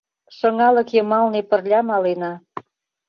Шыҥалык йымалне пырля малена.